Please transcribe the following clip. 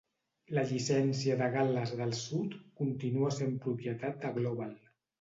La llicència de Gal·les del Sud continua sent propietat de Global.